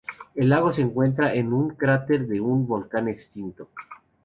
El lago se encuentra en un cráter de un volcán extinto.